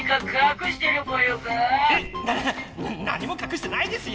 なな何もかくしてないですよ！